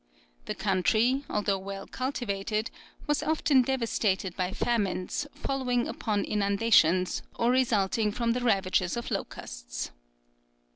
The country, although well cultivated, was often devastated by famines, following upon inundations, or resulting from the ravages of locusts.